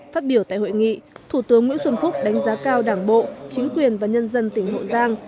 phát biểu tại hội nghị thủ tướng nguyễn xuân phúc đánh giá cao đảng bộ chính quyền và nhân dân tỉnh hậu giang